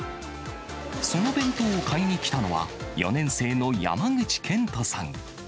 その弁当を買いに来たのは、４年生の山口健斗さん。